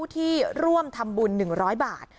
ที่ร่วมทำบุญ๑๐๐บาท